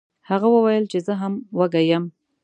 هغه وویل چې زه هم وږی یم.